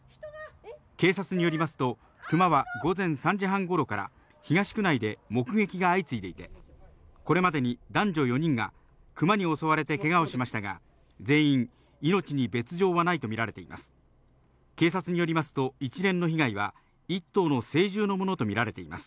警察によりますと、クマは午前３時半頃から東区内で目撃が相次いでいて、これまでに男女４人がクマに襲われてけがをしましたが、全員、命に別条はないとみられています。